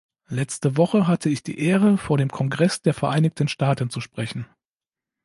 Letzte Woche hatte ich die Ehre, vor dem Kongress der Vereinigten Staaten zu sprechen.